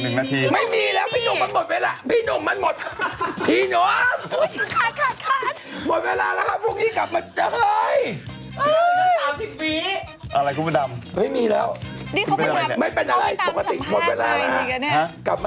เขาไปตามสัมภาษณ์หมดเวลาแล้วนะ